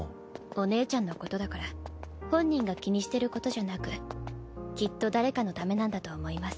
お姉ちゃんのことだから本人が気にしてることじゃなくきっと誰かのためなんだと思います。